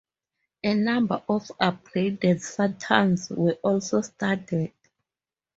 A number of upgraded Saturns were also studied.